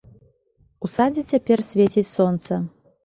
У садзе цяпер свеціць сонца.